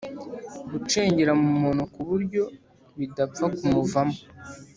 Gucengera mu muntu ku buryo bidapfa kumuvamo